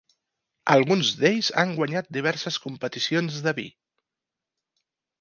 Alguns d'ells han guanyat diverses competicions de vi.